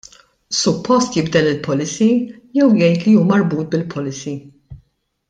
Suppost jibdel il-policy, jew jgħid li hu marbut bil-policy?